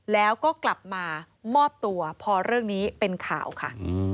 แล้วก็กลับมามอบตัวพอเรื่องนี้เป็นข่าวค่ะ